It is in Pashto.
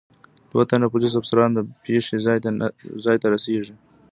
دو تنه پولیس افسران د پېښې ځای ته رسېږي.